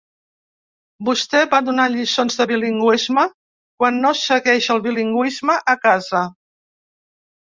Vostè va donant lliçons de bilingüisme quan no segueix el bilingüisme a casa.